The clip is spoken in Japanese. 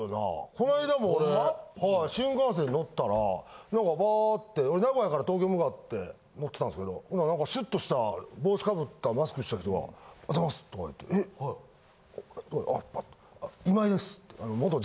こないだも俺はい新幹線乗ったら何かバーッて名古屋から東京向かって乗ってたんですけどほんなら何かシュッとした帽子被ったマスクした人がおざますとか言ってえっパッて。